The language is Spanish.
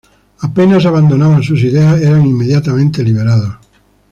Apenas abandonaban sus ideas, eran inmediatamente liberados.